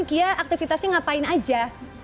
kia aktivitasnya ngapain aja